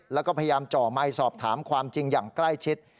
แล้วก็พยายามจ่อไมค์สอบถามความจริงอย่างใกล้ชิด